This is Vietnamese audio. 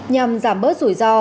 nhằm giảm bớt rủi ro